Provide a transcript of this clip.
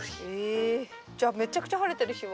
えじゃあめちゃくちゃ晴れてる日は？